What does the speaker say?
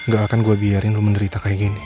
gak akan gue biarin lu menderita kayak gini